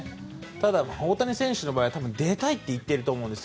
ただ大谷選手の場合は出たいと言っていると思います。